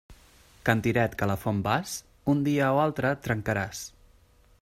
Cantiret que a la font vas, un dia o altre et trencaràs.